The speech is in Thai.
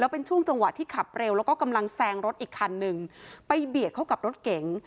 เป็นช่วงจังหวะที่ขับเร็วแล้วก็กำลังแซงรถอีกคันหนึ่งไปเบียดเข้ากับรถเก๋ง